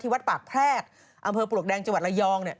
ที่วัดปากแพรกอำเภอปลวกแดงจละยองเนี่ย